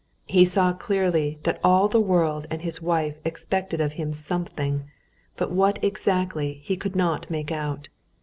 He saw clearly that all the world and his wife expected of him something, but what exactly, he could not make out.